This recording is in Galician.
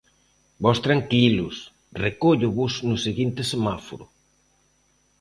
"Vós tranquilos, recóllovos no seguinte semáforo".